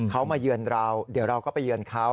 เขามาเยือนเราเดี๋ยวเราก็ไปเยือนเขา